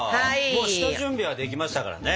もう下準備はできましたからね。